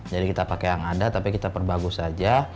jadi kita pakai yang ada tapi kita perbagus aja